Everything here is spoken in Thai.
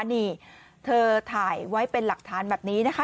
นี่เธอถ่ายไว้เป็นหลักฐานแบบนี้นะคะ